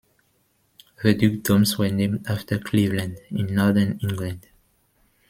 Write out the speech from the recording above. The dukedoms were named after Cleveland in northern England.